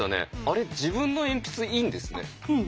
あれ自分の鉛筆いいんですね。